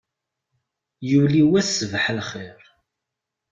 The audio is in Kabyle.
Yuli wass ṣṣbaḥ lxir.